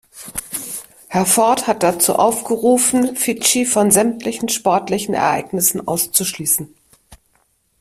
Herr Ford hat dazu aufgerufen, Fidschi von sämtlichen sportlichen Ereignissen auszuschließen.